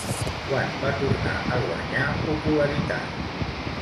Quan va tornar a guanyar popularitat?